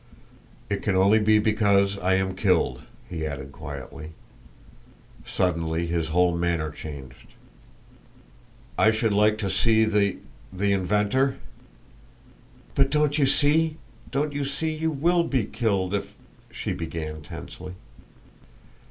"It can only be because I am killed," he added quietly. Suddenly his whole manner changed. "I should like to see the the inventor?" "But don't you see don't you see you will be killed if ?" she began tensely.